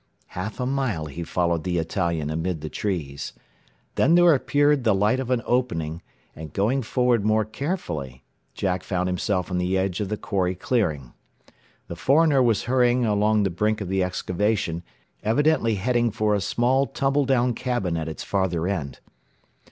Half a mile he followed the Italian amid the trees. Then there appeared the light of an opening, and going forward more carefully, Jack found himself on the edge of the quarry clearing. The foreigner was hurrying along the brink of the excavation, evidently heading for a small tumble down cabin at its farther end.